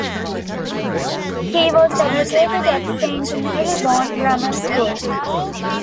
He was educated at Saint Marylebone Grammar School.